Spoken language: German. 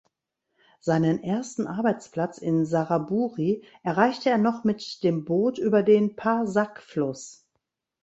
Seinen ersten Arbeitsplatz in Saraburi erreichte er noch mit dem Boot über den Pa-Sak-Fluß.